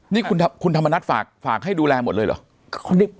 นี่คุณธรรมนัฐฝากให้ดูแลหมดเลยเหรอ